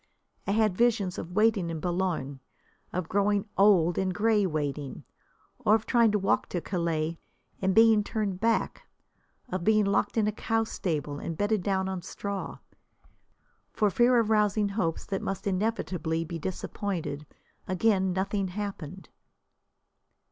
I had visions of waiting in Boulogne, of growing old and grey waiting, or of trying to walk to Calais and being turned back, of being locked in a cow stable and bedded down on straw. For fear of rousing hopes that must inevitably be disappointed, again nothing happened.